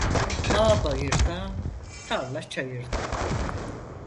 Bağ bayırda, tarla çayırda.